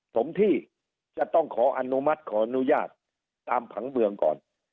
สมที่จะต้องขออนุมัติขออนุญาตตามผังเมืองก่อน